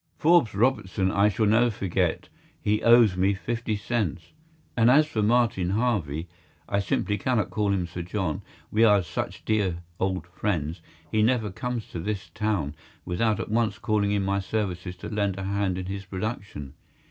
Forbes Robertson I shall never forget: he owes me 50 cents. And as for Martin Harvey—I simply cannot call him Sir John, we are such dear old friends—he never comes to this town without at once calling in my services to lend a hand in his production.